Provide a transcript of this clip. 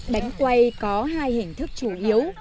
đánh quay có hai hình thức chủ yếu